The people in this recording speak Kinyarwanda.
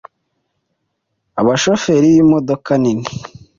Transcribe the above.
abashoferi b’imodoka nini